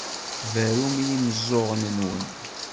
Tberrum i yimeẓẓuɣen-nwen.